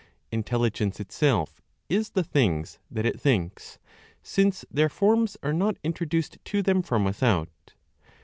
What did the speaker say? Intelligence itself is the things that it thinks, since their forms are not introduced to them from without.